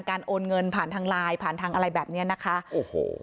โอนเงินผ่านทางไลน์ผ่านทางอะไรแบบเนี้ยนะคะโอ้โห